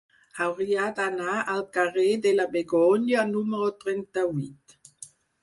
Hauria d'anar al carrer de la Begònia número trenta-vuit.